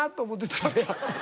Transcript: ちょっと。